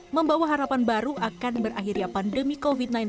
membawa harapan baru akan berakhirnya pandemi covid sembilan belas